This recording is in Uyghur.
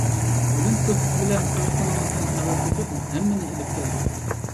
بۈگۈن تۆھپە بىلەن قايتقىنىڭىزدىن خەۋەر تېپىپ ھەممىنى ئېلىپ كەلدۇق.